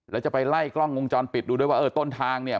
แล้วจะไปไล่กล้องวงจรปิดดูด้วยว่าเออต้นทางเนี่ย